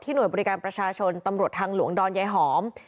หน่วยบริการประชาชนตำรวจทางหลวงดอนยายหอม